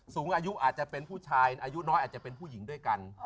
สูงอายุอาจจะเป็นผู้ชายอายุน้อยอาจจะเป็นผู้หญิงด้วยกัน